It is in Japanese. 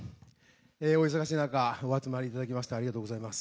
お忙しい中お集まりいただきましてありがとうございます。